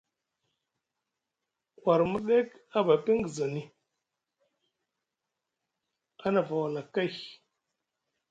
War murdek a ba epingezani, a nava wala kay.